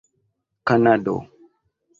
kanado